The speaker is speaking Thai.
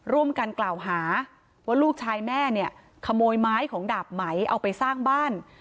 ร่วมกันกล่าวหาว่าลูกชายแม่เนี่ยขโมยไม้ของดาบไหมเอาไปสร้างบ้าน